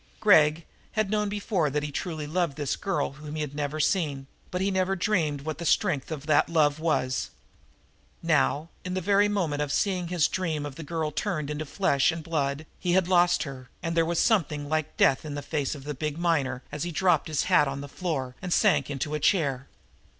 Gregg had known before that he truly loved this girl whom he had never seen, but he had never dreamed what the strength of that love was. Now, in the very moment of seeing his dream of the girl turned into flesh and blood, he had lost her, and there was something like death in the face of the big miner as he dropped his hat on the floor and sank into a chair.